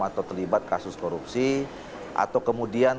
atau terlibat kasus korupsi atau kemudian